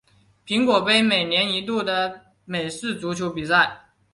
苹果杯每年一度的美式足球比赛。